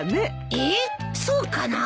えーっそうかな？